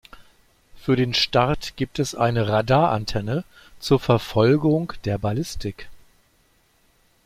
Für den Start gibt es eine Radar-Antenne zur Verfolgung der Ballistik.